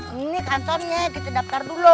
ini kantornya kita daftar dulu